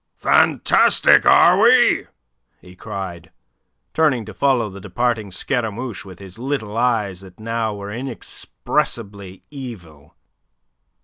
"Fantastic, are we?" he cried, turning to follow the departing Scaramouche with his little eyes that now were inexpressibly evil.